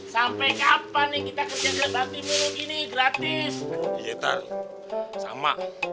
sampai kapan nih kita kerja gini mulu nih sampai kapan nih kita kerja gini gratis sama